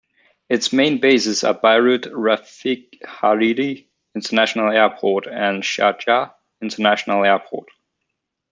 Its main bases are Beirut Rafic Hariri International Airport and Sharjah International Airport.